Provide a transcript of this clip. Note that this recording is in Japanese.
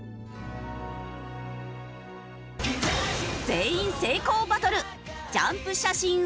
全員成功バトル！